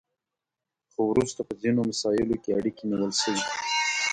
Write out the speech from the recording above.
خو وروسته په ځینو مساییلو کې اړیکې نیول شوي